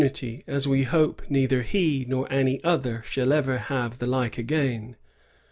23 opportoniiy as we hope neither he nor any other shall ever have the like again.